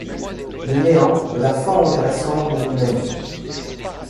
Le néant, de la fange à la cendre nous mène.